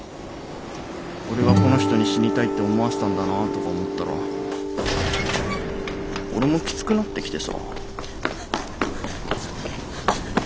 俺がこの人に死にたいって思わせたんだなとか思ったら俺もきつくなってきてさ。